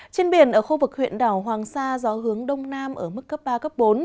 trên biển ở khu vực huyện đảo hoàng sa gió hướng đông nam ở mức cấp ba cấp bốn